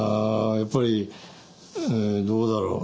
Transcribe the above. やっぱりどうだろう。